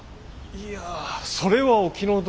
いやそれはお気の毒に。